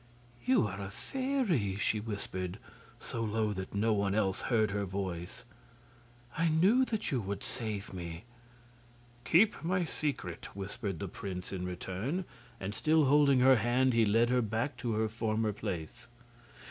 "You are a fairy!" she whispered, so low that no one else heard her voice. "I knew that you would save me." "Keep my secret," whispered the prince in return, and still holding her hand he led her back to her former place.